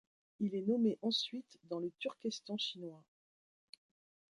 Il est nommé ensuite dans le Turkestan chinois.